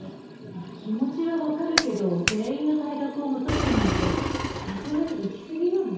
まあ気持ちはわかるけど全員の退学を求めるなんてさすがにいきすぎよね。